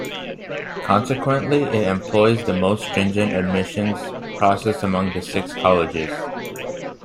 Consequently, it employs the most stringent admissions process among the six colleges.